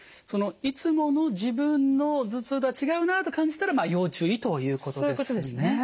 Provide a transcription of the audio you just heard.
いつもの自分の頭痛とは違うなと感じたら要注意ということですね。